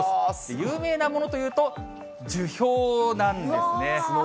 有名なものというと、樹氷なんですね。